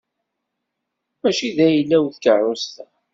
Mačči d ayla-w tkeṛṛust-a.